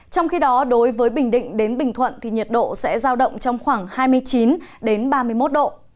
trong khi đó đối với bình định đến bình thuận thì nhiệt độ sẽ giao động trong khoảng hai mươi chín ba mươi một độ